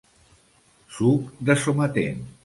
Suc de sometent.